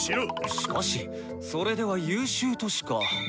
しかしそれでは優秀としか。